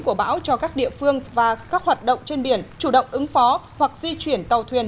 của bão cho các địa phương và các hoạt động trên biển chủ động ứng phó hoặc di chuyển tàu thuyền